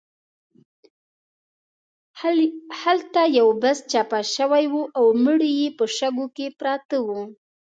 هلته یو بس چپه شوی و او مړي په شګو کې پراته وو.